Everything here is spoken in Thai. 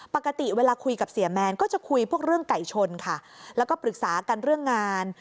ปกติเวลาคุยกับเสียแมนก็จะคุยพวกเรื่องไก่ชนค่ะแล้วก็ปรึกษากันเรื่องงาน